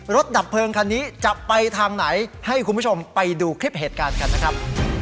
ดับเพลิงคันนี้จะไปทางไหนให้คุณผู้ชมไปดูคลิปเหตุการณ์กันนะครับ